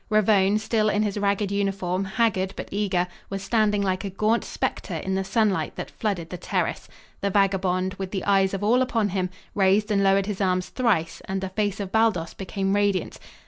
Ravone, still in his ragged uniform, haggard but eager, was standing like a gaunt spectre in the sunlight that flooded the terrace. The vagabond, with the eyes of all upon him, raised and lowered his arms thrice, and the face of Baldos became radiant.